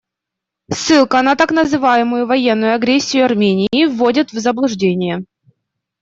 Ссылка на так называемую военную агрессию Армении вводит в заблуждение.